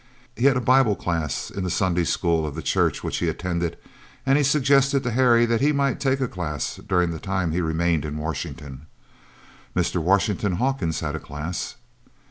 He had a Bible class in the Sunday school of the church which he attended, and he suggested to Harry that he might take a class during the time he remained in Washington. Mr. Washington Hawkins had a class.